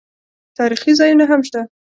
تاریخي ځایونه هم شته.